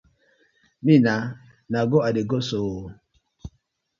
Me na go I dey go so ooo.